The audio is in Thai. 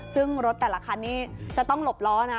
ซึ่งรถแต่ละคันนี้จะต้องหลบล้อนะ